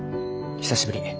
久しぶり。